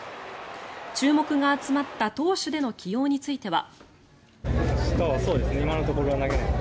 注目が集まった投手での起用については。